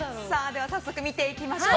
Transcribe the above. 早速、見ていきましょう。